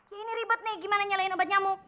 ini ribet nih gimana nyalain obat nyamuk